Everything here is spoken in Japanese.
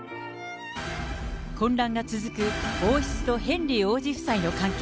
混乱が続く王室とヘンリー王子夫妻の関係。